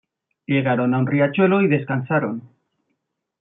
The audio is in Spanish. Llegaron a un riachuelo y descansaron.